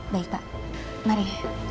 baik pak mari